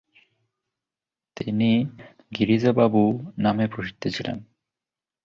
তিনি 'গিরিজা বাবু' নামে প্রসিদ্ধ ছিলেন।